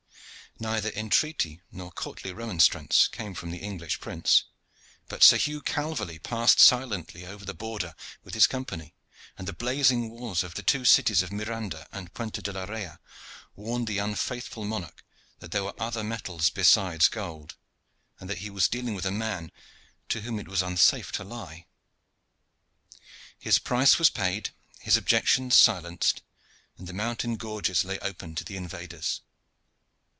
Neither entreaty nor courtly remonstrance came from the English prince; but Sir Hugh Calverley passed silently over the border with his company, and the blazing walls of the two cities of Miranda and Puenta de la Reyna warned the unfaithful monarch that there were other metals besides gold, and that he was dealing with a man to whom it was unsafe to lie. His price was paid, his objections silenced, and the mountain gorges lay open to the invaders.